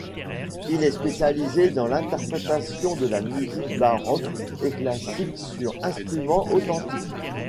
Il est spécialisé dans l'interprétation de la musique baroque et classique sur instruments authentiques.